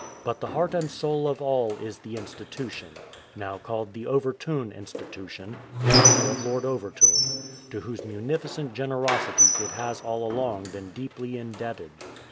But the heart and soul of all is the " Institution," now called the Overtoun Institution, in honour of Lord Overtoun, to whose munificent generosity it has all along been deeply indebted.